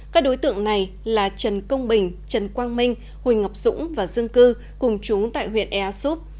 các đối tượng này là trần công bình trần quang minh huỳnh ngọc dũng và dương cư cùng chúng tại huyện ea súp